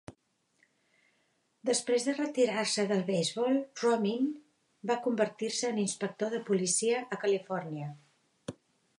Després de retirar-se del beisbol, Romine va convertir-se en inspector de policia a Califòrnia.